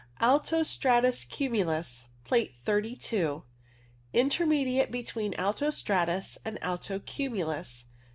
Alto strato cumulus (Plate 32). Intermediate between alto stratus and alto cumulus.